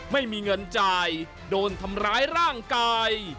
ไม่มีเงินจ่ายโดนทำร้ายร่างกาย